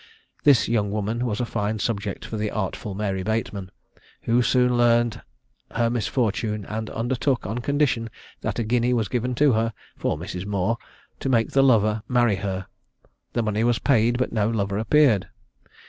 This young woman was a fine subject for the artful Mary Bateman, who soon learned her misfortune, and undertook, on condition that a guinea was given to her, for Mrs. Moore, to make the lover marry her. The money was paid, but no lover appeared.